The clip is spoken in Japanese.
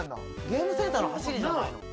「ゲームセンターの走りじゃないの？」